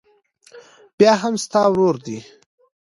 بيا هم ستا ورور دى.